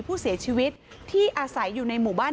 ผู้เสียชีวิตที่อาศัยอยู่ในหมู่บ้าน